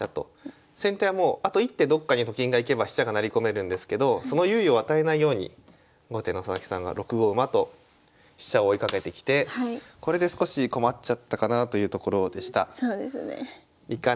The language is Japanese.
先手はもうあと１手どっかにと金が行けば飛車が成り込めるんですけどその猶予を与えないように後手の佐々木さんが６五馬と飛車を追いかけてきてこれで少し困っちゃったかなというところでした。